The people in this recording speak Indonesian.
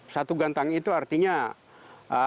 satu gantang itu artinya seribu liter jagung